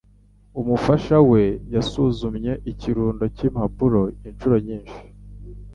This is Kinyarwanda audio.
Umufasha we yasuzumye ikirundo cyimpapuro inshuro nyinshi.